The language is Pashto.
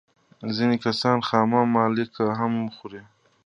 ځینې کسان خامه مالګه هم خوري.